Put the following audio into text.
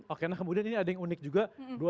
oke nah kemudian ini ada yang unik juga